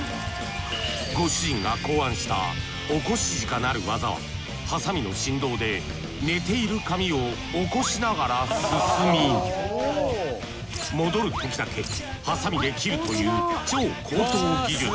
ご主人が考案した起こしじかなる技はハサミの振動で寝ている髪を起こしながら進み戻るときだけハサミで切るという超高等技術。